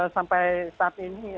sampai saat ini